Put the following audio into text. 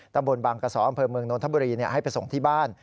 ตำบลบางกระสออำเภอเมืองนนทบุรีให้ไปส่งที่บ้าน